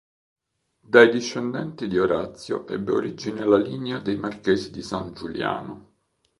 Dai discendenti di Orazio ebbe origine la linea dei Marchesi di San Giuliano.